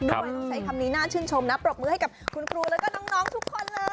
ต้องใช้คำนี้น่าชื่นชมนะปรบมือให้กับคุณครูแล้วก็น้องทุกคนเลย